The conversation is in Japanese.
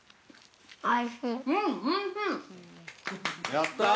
◆やったあ！